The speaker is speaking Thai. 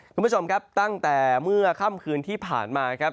คุณผู้ชมครับตั้งแต่เมื่อค่ำคืนที่ผ่านมาครับ